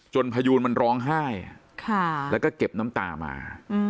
พยูนมันร้องไห้แล้วก็เก็บน้ำตามา